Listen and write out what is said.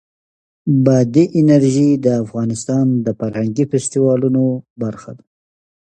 بادي انرژي د افغانستان د فرهنګي فستیوالونو برخه ده.